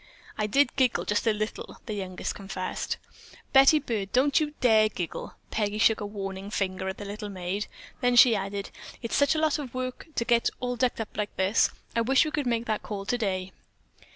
"I did giggle just a little," their youngest confessed. "Betty Byrd, don't you dare giggle!" Peggy shook a warning finger at the little maid. Then she added: "It's such a lot of work to get all decked up like this, I wish we could make that call today."